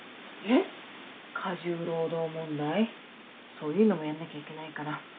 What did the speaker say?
そういうのもやんなきゃいけないから。